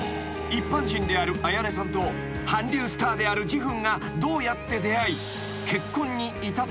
一般人である彩音さんと韓流スターであるジフンがどうやって出会い結婚に至ったのか？］